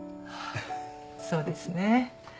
そうですね。